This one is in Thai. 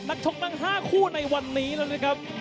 นักชกทั้ง๕คู่ในวันนี้นะครับ